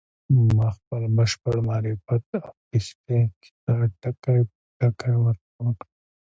ما خپل بشپړ معرفت او تېښتې کيسه ټکی په ټکی ورته وکړه.